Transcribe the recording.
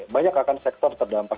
banyak akan sektor terdampak